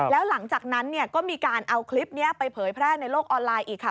แล้วหลังจากนั้นก็มีการเอาคลิปนี้ไปเผยแพร่ในโลกออนไลน์อีกค่ะ